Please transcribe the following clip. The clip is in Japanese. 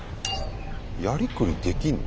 やりくりできんの？